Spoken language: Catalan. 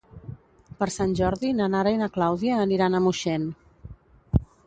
Per Sant Jordi na Nara i na Clàudia aniran a Moixent.